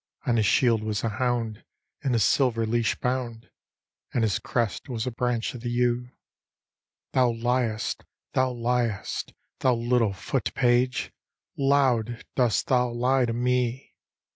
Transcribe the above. On his shield was a hound, in a silver leash bound, And his crest was a branch of the yew." " Thou liest, thou liest, thou little foot page, Loud dost thou lie to me!